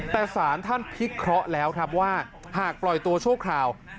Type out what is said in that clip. แต่สารท่านพิเคราะห์แล้วครับว่าหากปล่อยตัวชั่วคราว